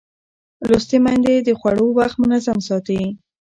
لوستې میندې د خوړو وخت منظم ساتي.